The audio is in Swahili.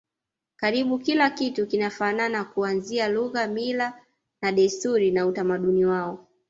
Karibu kila kitu kinafanana kuanzia lugha mila na desturi na utamaduni wao